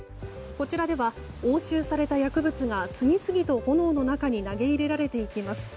こちらでは押収された薬物が次々と炎の中へ投げ入れられていきます。